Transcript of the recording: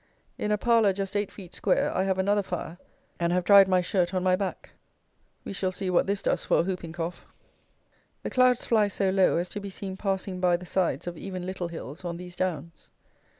In a parlour just eight feet square I have another fire, and have dried my shirt on my back. We shall see what this does for a hooping cough. The clouds fly so low as to be seen passing by the sides of even little hills on these downs.